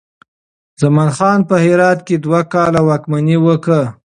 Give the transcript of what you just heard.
زمان خان په هرات کې دوه کاله واکمني وکړه.